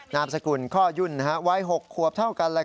นามสกุลจ์ข้อยุ่นไว้๖ขวบเท่ากันแล้ว